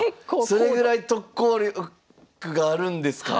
それぐらい特効力があるんですか！